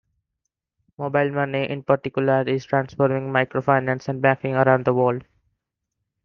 Mobile money, in particular, is transforming microfinance and banking around the world.